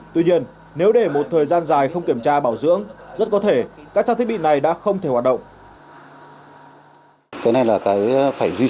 tuy nhiên nếu để một thời gian dài không kiểm tra bảo dưỡng rất có thể các trang thiết bị này đã không thể hoạt động